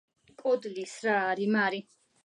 გერიში შქურინით თხა მის უჭყვიდუნია